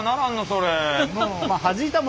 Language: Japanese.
それ。